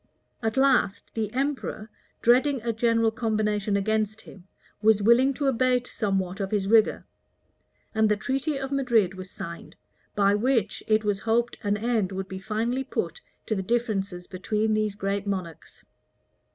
} At last, the emperor, dreading a general combination against him, was willing to abate somewhat of his rigor: and the treaty of Madrid was signed, by which, it was hoped an end would be finally put to the differences between these great monarchs.